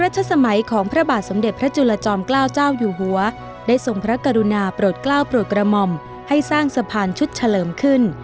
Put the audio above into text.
สมัยของพระบาทสมเด็จพระจุลจอมเกล้าเจ้าอยู่หัวได้ทรงพระกรุณาโปรดกล้าวโปรดกระหม่อมให้สร้างสะพานชุดเฉลิมขึ้น